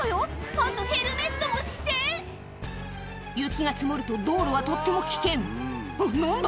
あとヘルメットもして雪が積もると道路はとっても危険あっ何だ？